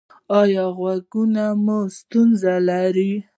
ایا د غوږونو ستونزه لرئ؟